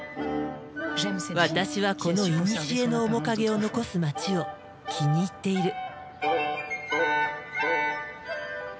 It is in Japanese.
私はこのいにしえの面影を残す街を気に入っている。